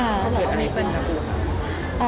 อ๋ออันนี้เป็นทางปูค่ะ